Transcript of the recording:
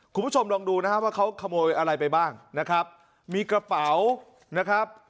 คุณผู้ชมลองดูนะครับว่าเขาขโมยอะไรไปบ้างนะครับมีกระเป๋านะครับ